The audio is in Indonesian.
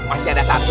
masih ada satu